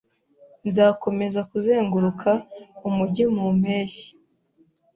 Nzakomeza kuzenguruka umujyi mu mpeshyi.